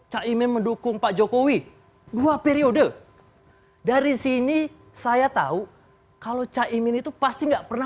cahaya mendukung pak jokowi dua periode dari sini saya tahu kalau cahaya ini tuh pasti nggak pernah